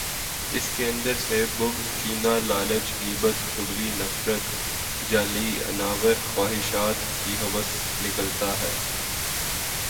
اس کے اندر سے بغض، کینہ، لالچ، غیبت، چغلی، نفرت، جعلی انااور خواہشات کی ہوس نکالتا ہے۔